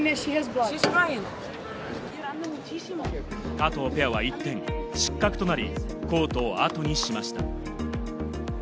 加藤ペアは一転、失格となり、コートをあとにしました。